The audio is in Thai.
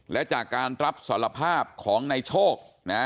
และจากการรับสารภาพของนายโชคนะ